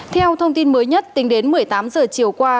theo thông tin mới nhất tính đến một mươi tám giờ chiều qua